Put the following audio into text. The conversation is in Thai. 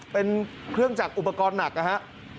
เป็นเครื่องจักรอุปกรณ์หนักนะครับ